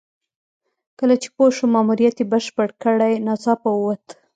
کله چې پوه شو ماموریت یې بشپړ کړی ناڅاپه ووت.